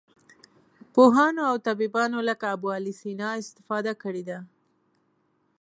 پوهانو او طبیبانو لکه ابوعلي سینا استفاده کړې ده.